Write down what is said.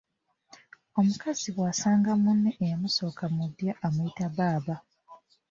Omukazi bw’asanga munne eyamusooka mu ddya amuyita baaba.